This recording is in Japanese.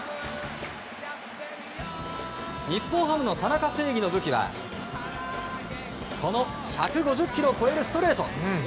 日本ハムの田中正義の武器はこの１５０キロを超えるストレート。